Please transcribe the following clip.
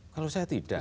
kalau saya tidak